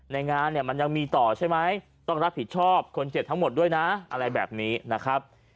งานเนี่ยมันยังมีต่อใช่ไหมต้องรับผิดชอบคนเจ็บทั้งหมดด้วยนะอะไรแบบนี้นะครับ